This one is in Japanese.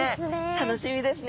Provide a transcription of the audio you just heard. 楽しみですね。